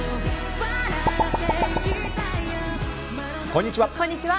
こんにちは。